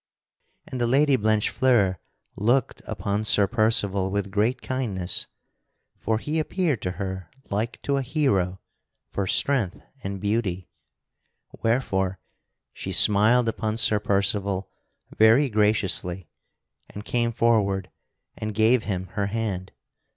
And the Lady Blanchefleur looked upon Sir Percival with great kindness, for he appeared to her like to a hero for strength and beauty; wherefore she smiled upon Sir Percival very graciously and came forward and gave him her hand.